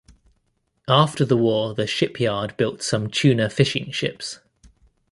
After the war the shipyard built some tuna fishing ships.